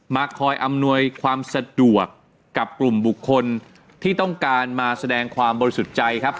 คอยอำนวยความสะดวกกับกลุ่มบุคคลที่ต้องการมาแสดงความบริสุทธิ์ใจครับ